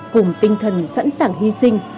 cùng tinh thần sẵn sàng hy sinh